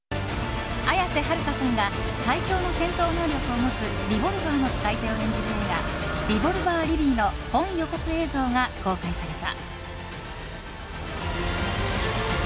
綾瀬はるかさんが最強の戦闘能力を持つリボルバーの使い手を演じる映画「リボルバー・リリー」の本予告映像が公開された。